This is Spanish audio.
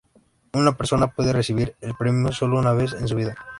Una persona puede recibir el premio sólo una vez en su vida.